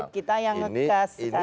kita yang ngekas sekarang